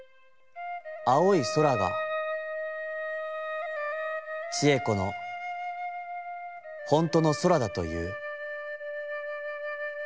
青い空が智恵子のほんとの空だといふ。